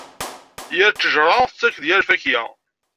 Yir ttejṛa tettak-d yir lfakya.